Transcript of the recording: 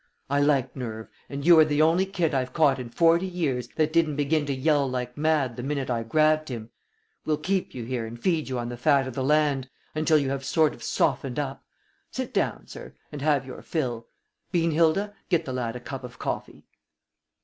"I like nerve, and you are the only kid I've caught in forty years that didn't begin to yell like mad the minute I grabbed him. We'll keep you here and feed you on the fat of the land, until you have sort of softened up. Sit down, sir, and have your fill. Beanhilda, get the lad a cup of coffee."